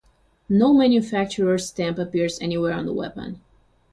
No manufacturer stamp appears anywhere on the weapon.